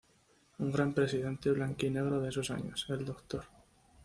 Un gran presidente "Blanquinegro" de esos años, el Dr.